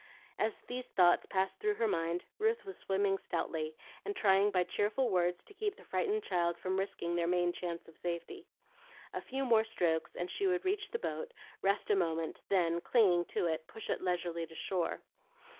As these thoughts passed through her mind Ruth was swimming stoutly, and trying by cheerful words to keep the frightened child from risking their main chance of safety. A few more strokes and she would reach the boat, rest a moment, then, clinging to it, push it leisurely to shore.